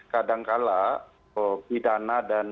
kadangkala pidana dan